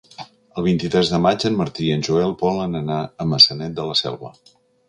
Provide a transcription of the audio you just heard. El vint-i-tres de maig en Martí i en Joel volen anar a Maçanet de la Selva.